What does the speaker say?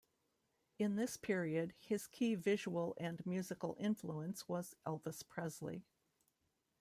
In this period, his key visual and musical influence was Elvis Presley.